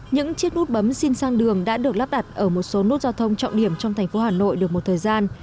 những chiếc nút bấm xin sang đường đã được lắp đặt ở một số nút giao thông trọng điểm trong thành phố hà nội được một thời gian